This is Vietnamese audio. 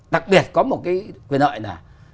đặc biệt có một quyền nợ là